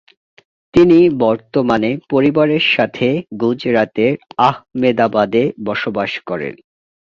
তিনি বর্তমানে পরিবারের সাথে গুজরাতের আহমেদাবাদে বসবাস করেন।